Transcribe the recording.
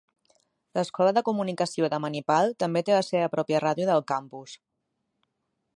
L'escola de comunicació de Manipal també té la seva pròpia ràdio del campus.